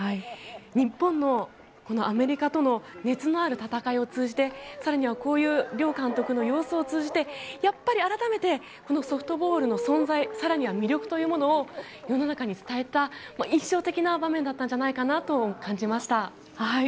日本の、このアメリカとの熱のある戦いを通じて更にはこの両監督の様子を通じてやっぱり改めてソフトボールの存在更には魅力というものの世の中に伝えた印象的な場面だったんじゃないかと感じました。